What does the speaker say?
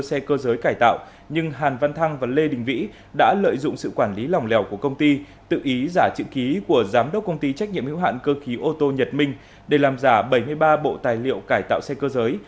xe cơ giới cải tạo nhưng hàn văn thăng và lê đình vĩ đã lợi dụng sự quản lý lòng lèo của công ty tự ý giả chữ ký của giám đốc công ty trách nhiệm hữu hạn cơ khí ô tô nhật minh để làm giả bảy mươi ba bộ tài liệu cải tạo xe cơ giới